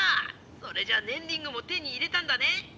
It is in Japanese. それじゃあねんリングも手に入れたんだね？